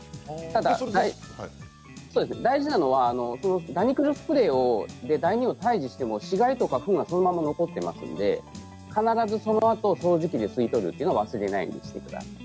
ただ大事なのはダニ駆除スプレーでダニを退治しても死骸やフンはそのまま残りますので必ず、そのあと掃除機で吸い取ることを忘れないようにしてください。